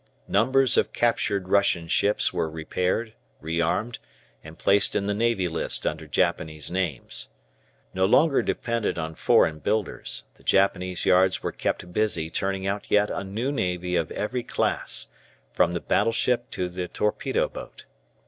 Numbers of captured Russian ships were repaired, re armed, and placed in the Navy List under Japanese names. No longer dependent on foreign builders, the Japanese yards were kept busy turning out yet a new navy of every class, from the battleship to the torpedo boat.